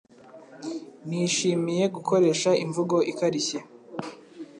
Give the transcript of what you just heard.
Nishimiye gukoresha imvugo ikarishye